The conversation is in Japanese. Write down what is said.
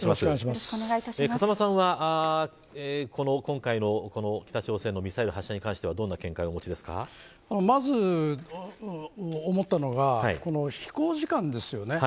風間さんは今回の北朝鮮のミサイル発射に関してはどんな見解をまず、思ったのが飛行時間ですよね。